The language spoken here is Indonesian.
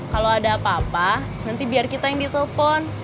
kalo ada apa apa nanti biar kita yang di telfon